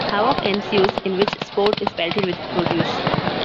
Havoc ensues, in which Spode is pelted with produce.